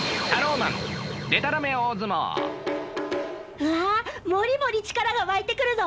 うわもりもり力が湧いてくるぞ！